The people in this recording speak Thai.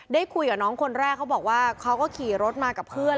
ได้คุยกับน้องคนแรกเขาบอกว่าเขาก็ขี่รถมากับเพื่อน